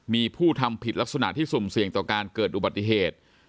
มีผู้ทำผิดลักษณะที่สุ่มเสี่ยงต่อการเกิดอุบัติเหตุ